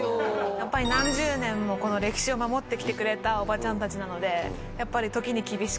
やっぱり何十年もこの歴史を守ってきてくれたおばちゃんたちなのでやっぱり時に厳しく。